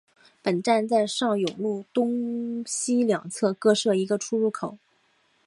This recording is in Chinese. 本站在上永路东西两侧各设一个出入口。